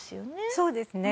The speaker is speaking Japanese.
そうですね。